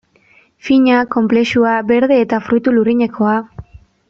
Fina, konplexua, berde eta fruitu lurrinekoa...